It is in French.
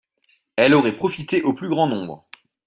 Elle aurait profité au plus grand nombre